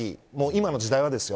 今の時代はですよ。